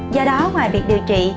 do đó ngoài việc điều trị